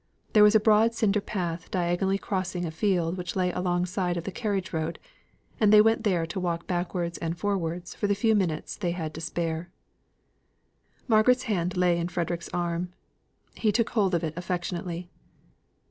There was a broad cinder path diagonally crossing a field which lay alongside of the carriage road, and they went there to walk backwards and forwards for the few minutes they had to spare. Margaret's hand lay in Frederick's arm. He took hold of it affectionately.